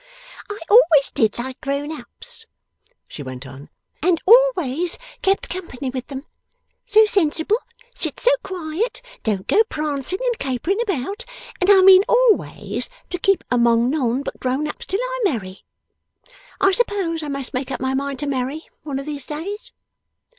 'I always did like grown ups,' she went on, 'and always kept company with them. So sensible. Sit so quiet. Don't go prancing and capering about! And I mean always to keep among none but grown ups till I marry. I suppose I must make up my mind to marry, one of these days.